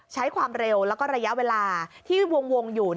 ใช้ความเร็วแล้วก็ระยะเวลาที่วงอยู่